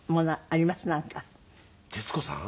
徹子さん？